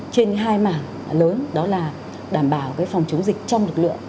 trên hai mảng lớn đó là đảm bảo phòng chống dịch trong lực lượng